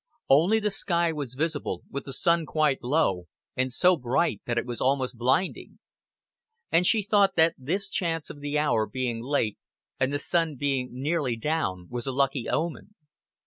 Only the sky was visible, with the sun quite low, and so bright that it was almost blinding. And she thought that this chance of the hour being late and the sun being nearly down was a lucky omen.